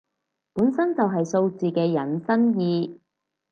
本身就係數字嘅引申義